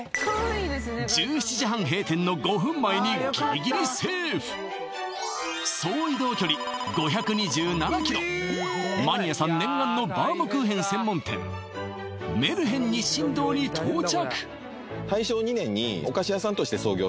１７時半閉店の５分前に総移動距離５２７ｋｍマニアさん念願のバウムクーヘン専門店メルヘン日進堂に到着！